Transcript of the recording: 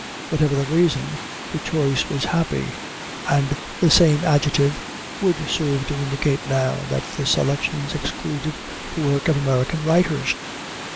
Whatever the reason, the choice was happy; and the same adjective would serve to indicate now that the selections excluded the work of American writers.